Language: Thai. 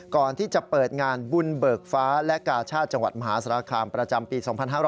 ก่อนที่จะเปิดงานบุญเบิกฟ้าและกาชาติจังหวัดมหาสารคามประจำปี๒๕๕๙